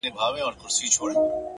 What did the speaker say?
پوهه د ذهن بندې لارې خلاصوي,